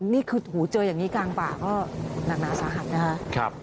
นี่คือหูเจออย่างนี้กลางป่าก็หนักหนาสาหัสนะคะ